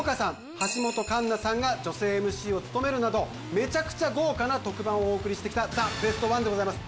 橋本環奈さんが女性ＭＣを務めるなどメチャクチャ豪華な特番をお送りしてきた「ザ・ベストワン」でございます